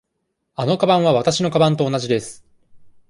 あのかばんはわたしのかばんと同じです。